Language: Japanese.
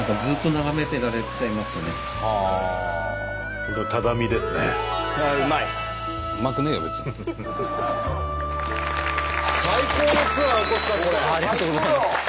ありがとうございます。